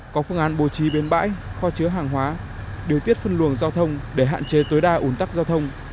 có phương án bố trí bên bãi kho chứa hàng hóa điều tiết phân luồng giao thông để hạn chế tối đa ủn tắc giao thông